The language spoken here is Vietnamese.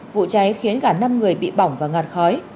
vụ cháy khiến cả năm người bị bỏng và ngạt khói